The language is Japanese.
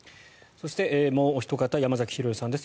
そして、もうおひと方山崎寛代さんです。